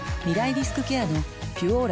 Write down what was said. リスクケアの「ピュオーラ」